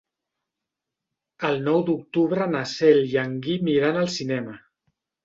El nou d'octubre na Cel i en Guim iran al cinema.